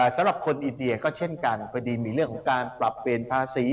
สำหรับคนอินเดียก็เช่นกันพอดีมีเรื่องของการปรับเปลี่ยนภาษี